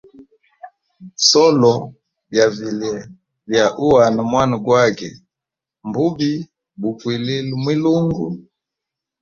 Solo lya vilye lya uhana mwanage mbubi bukwilile mwilungu.